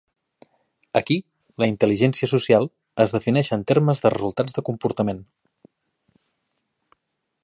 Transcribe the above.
Aquí, la intel·ligència social es defineix en termes de resultats de comportament.